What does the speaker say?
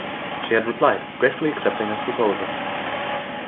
She had replied, gratefully accepting his proposal.